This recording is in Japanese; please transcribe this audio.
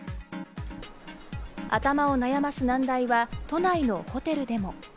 頭を悩ます難題は都内のホテルでも。